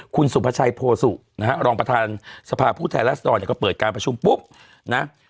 คุณสุพชัยโภสุนะฮะรองประธานสภาผู้ไทยและสดรก็เปิดการประชุมปุ๊บนะ